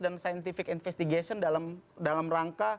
dan scientific investigation dalam rangka